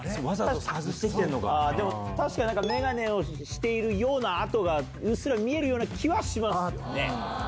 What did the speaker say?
確かにメガネをしているような痕がうっすら見えるような気はしますよ。